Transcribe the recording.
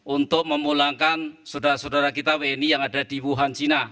untuk memulangkan saudara saudara kita wni yang ada di wuhan cina